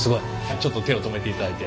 ちょっと手を止めていただいて。